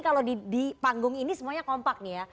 kalau di panggung ini semuanya kompak nih ya